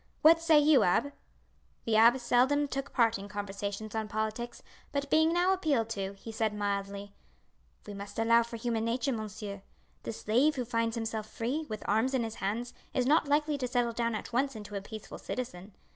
What say you, abbe?" The abbe seldom took part in conversations on politics, but, being now appealed to, he said mildly: "We must allow for human nature, monsieur. The slave who finds himself free, with arms in his hands, is not likely to settle down at once into a peaceful citizen.